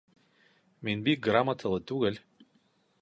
Мин бик грамоталы түгел